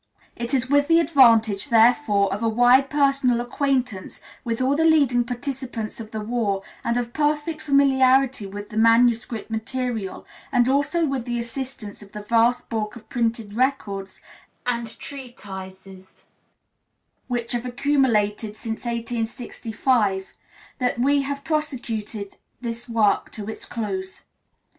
It is with the advantage, therefore, of a wide personal acquaintance with all the leading participants of the war, and of perfect familiarity with the manuscript material, and also with the assistance of the vast bulk of printed records and treatises which have accumulated since 1865, that we have prosecuted this work to its close.